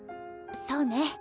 そうね。